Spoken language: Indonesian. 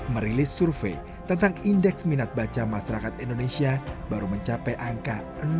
merilis survei tentang indeks minat baca masyarakat indonesia baru mencapai angka